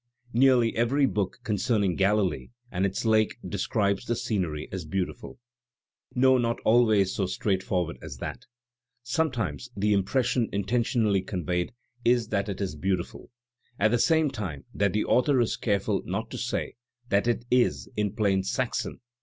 "Nearly every book concerning Galilee and its lake de scribes the scenery as beautiful. No — not always so straightforward as that. Sometimes the impression inten tionally conveyed is that it is beautif ul» at the same time that the author is careful not to say that it is» in plain Saxon.